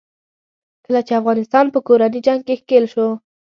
کله چې افغانستان په کورني جنګ کې ښکېل شو.